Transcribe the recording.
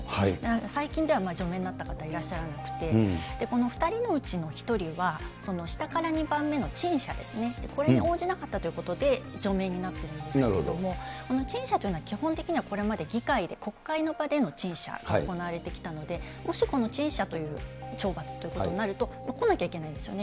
最近では除名になった方はいらっしゃらなくて、この２人のうちの１人は、下から２番目の陳謝ですね、これに応じなかったということで、除名になっているんですけれども、陳謝というのは基本的にこれまで議会で、国会の場での陳謝が行われてきたので、もしこの陳謝という懲罰ということになると来なきゃいけないんですよね。